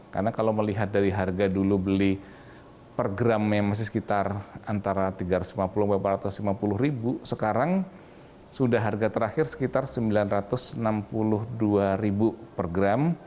karena kalau melihat dari harga dulu beli per gram yang masih sekitar antara rp tiga ratus lima puluh rp empat ratus lima puluh sekarang sudah harga terakhir sekitar rp sembilan ratus enam puluh dua per gram